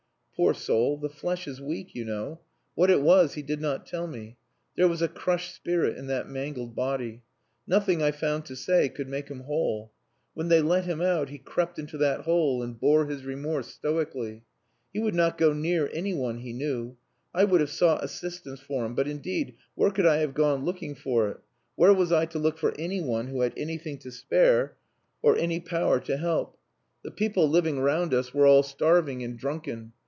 Poor soul, the flesh is weak, you know. What it was he did not tell me. There was a crushed spirit in that mangled body. Nothing I found to say could make him whole. When they let him out, he crept into that hole, and bore his remorse stoically. He would not go near anyone he knew. I would have sought assistance for him, but, indeed, where could I have gone looking for it? Where was I to look for anyone who had anything to spare or any power to help? The people living round us were all starving and drunken.